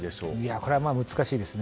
これは難しいですね。